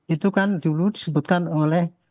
itu kan dulu disebutkan oleh